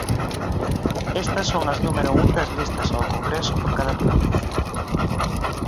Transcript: Estas son as número un das listas ao Congreso por cada provincia.